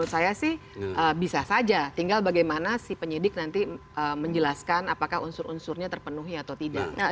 menurut saya sih bisa saja tinggal bagaimana si penyidik nanti menjelaskan apakah unsur unsurnya terpenuhi atau tidak